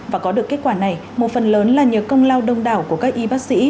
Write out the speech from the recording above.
và có được kết quả này một phần lớn là nhờ công lao đông đảo của các y bác sĩ